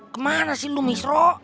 kemana sih lu misro